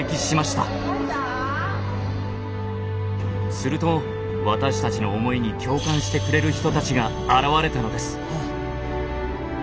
すると私たちの思いに共感してくれる人たちが現れたのです。